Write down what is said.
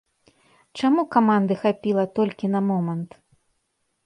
Чаму каманды хапіла толькі на момант?